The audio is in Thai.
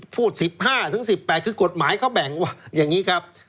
พูด๑๕๑๘คือกฎหมายเขาแบ่งว่าอย่างนี้ครับ